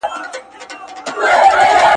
• واده په ساز ښه ايسي، مړی په ژړا.